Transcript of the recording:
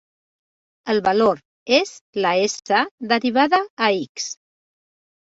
El valor és la "S" derivada a "x".